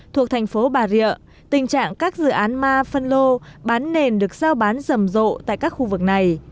thuộc thành phố bà rịa tình trạng các dự án ma phân lô bán nền được giao bán rầm rộ tại các khu vực này